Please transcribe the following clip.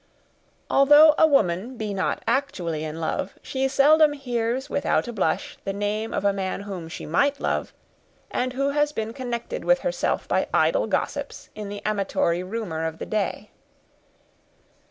Although a woman be not actually in love, she seldom hears without a blush the name of a man whom she might love, and who has been connected with herself by idle gossips, in the amatory rumor of the day.